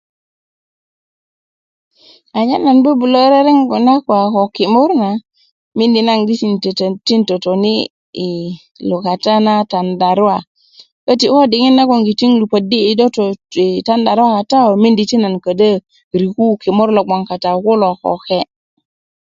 anyen nan bubulo rerengu na kuwa ko kimur na mindi naŋ di tin ti yi totoni i lukata na tandarua köti ko diŋit nagŋ 'n lupödi' i doto i tandarua kata yu mindi naŋ 'n kodo rikun kimur lo bgoŋ kata yu kulo koke